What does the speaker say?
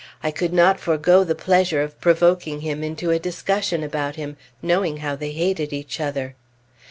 I could not forego the pleasure of provoking him into a discussion about him, knowing how they hated each other.